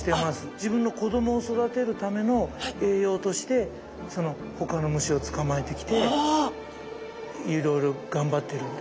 自分の子どもを育てるための栄養としてほかの虫を捕まえてきていろいろ頑張ってるんです。